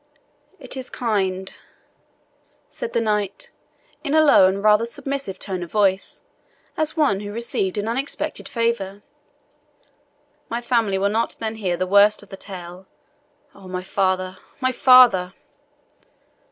"It is kind," said the knight, in a low and rather submissive tone of voice, as one who received an unexpected favour; "my family will not then hear the worst of the tale. Oh, my father my father!"